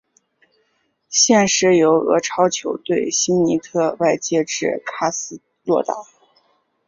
现时由俄超球队辛尼特外借至卡斯洛达。